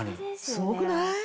すごくない？